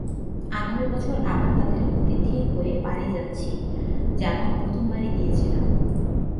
আগামী বছর আবার তাঁদের অতিথি হয়ে পারি যাচ্ছি, যেমন প্রথমবারে গিয়েছিলাম।